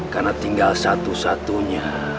karena tinggal satu satunya